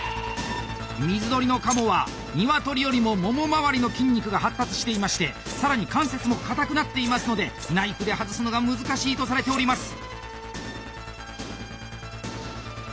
水鳥の鴨は鶏よりもモモまわりの筋肉が発達していまして更に関節も硬くなっていますのでナイフで外すのが難しいとされております。